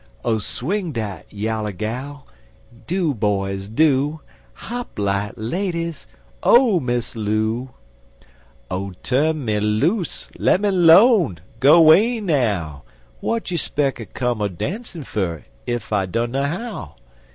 Oh, swing dat yaller gal! Do, boys, do! Hop light, ladies, Oh, Miss Loo! Oh, tu'n me loose! Lemme 'lone! Go way, now! W'at you speck I come a dancin' fer ef I dunno how?